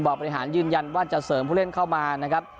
บริหารยืนยันว่าจะเสริมผู้เล่นเข้ามานะครับ